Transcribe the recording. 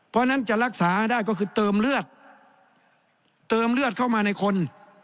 เพราะฉะนั้นจะรักษาได้ก็คือเติมเลือดเติมเลือดเข้ามาในคน